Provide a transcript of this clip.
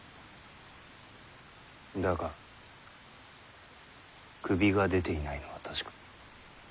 だが首が出ていないのは確か。